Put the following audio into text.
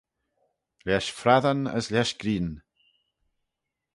Lesh frassyn as lesh grian.